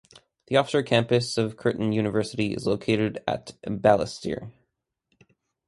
The offshore campus of Curtin University is located at Balestier.